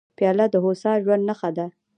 پیاله د هوسا ژوند نښه ده.